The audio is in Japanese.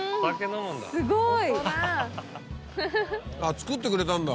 すごい！作ってくれたんだ。